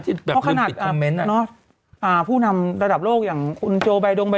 ที่แบบดิบติดคอมเม้นต์อ่ะอ่าผู้นำระดับโลกยังคุณจูน